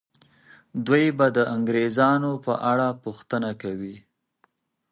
دوی به د انګریزانو په اړه پوښتنه کوي.